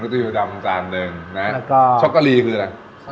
มรุตตะยูดำจานหนึ่งแล้วก็ช็อกโกลีคืออะไร